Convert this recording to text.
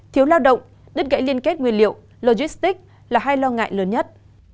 thiếu lao động đứt gãy liên kết nguyên liệu logistics là hai lo ngại lớn nhất